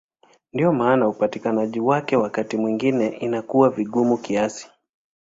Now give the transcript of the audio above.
Ndiyo maana upatikanaji wake wakati mwingine inakuwa vigumu kiasi.